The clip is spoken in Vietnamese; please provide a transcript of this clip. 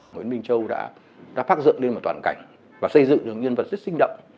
nguyễn minh châu đã phát dựng lên một toàn cảnh và xây dựng được nhân vật rất sinh động